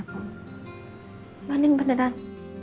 mbak andin beneran